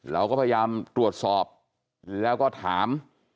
เราก็พยายามตรวจสอบแล้วก็ถาม